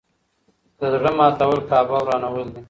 د زړه ماتول کعبه ورانول دي.